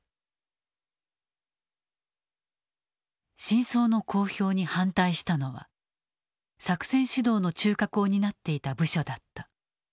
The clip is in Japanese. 真相の公表に反対したのは作戦指導の中核を担っていた部署だった。